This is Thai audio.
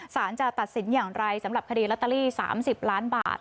สารจะตัดสินอย่างไรสำหรับคดีลอตเตอรี่๓๐ล้านบาท